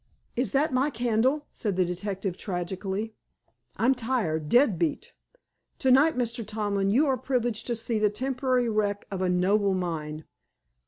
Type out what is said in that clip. "Is that my candle?" said the detective tragically. "I'm tired, dead beat. To night, Mr. Tomlin, you are privileged to see the temporary wreck of a noble mind.